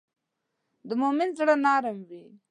د مؤمن زړه نرم وي.